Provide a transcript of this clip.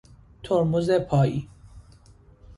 ترمز پایی